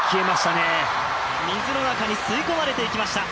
水の中に吸い込まれていきました。